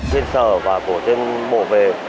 tiên sở và cổ tiên bộ về